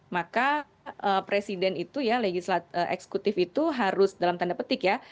maka presiden itu ya legislatif itu harus dalam tanda petik ya